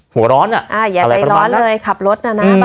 หัวร้อนอ่ะอ่าอย่าใจร้อนเลยขับรถน่ะนะ